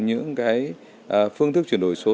những phương thức chuyển đổi số